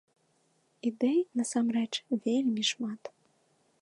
Ідэй, насамрэч, вельмі шмат!